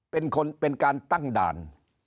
เป็นการตั้งด่าน